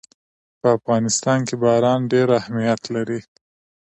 په افغانستان کې باران ډېر اهمیت لري.